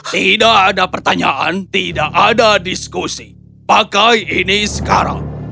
tidak ada pertanyaan tidak ada diskusi pakai ini sekarang